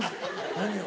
何を？